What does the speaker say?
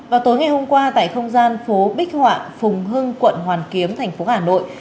vào tối ngày hôm qua tại không gian phố bích họa phùng hưng quận hoàn kiếm tp hà nội